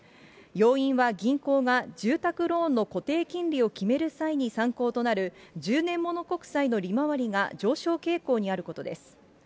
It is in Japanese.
要因は銀行が住宅ローンの固定金利を決める際に参考となる１０年もの国債の利回りが上昇傾向にあることです。